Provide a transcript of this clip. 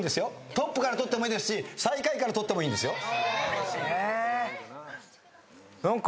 トップから取ってもいいですし最下位から取ってもいいんですよ。